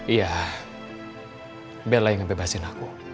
iya biarlah yang ngebebasin aku